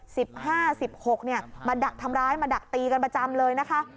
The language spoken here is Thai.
สิบห้าสิบหกเนี่ยมาดักทำร้ายมาดักตีกันประจำเลยนะคะ